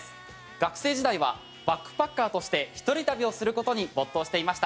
学生時代はバックパッカーとして一人旅をする事に没頭していました。